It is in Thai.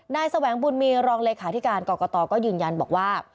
แสวงบุญมีรองเลขาธิการกรกตก็ยืนยันบอกว่า